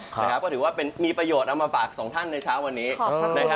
ก็ถือว่ามีประโยชน์เอามาฝากสองท่านในเช้าวันนี้